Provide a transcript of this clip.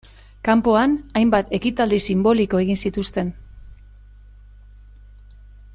Kanpoan, hainbat ekitaldi sinboliko egin zituzten.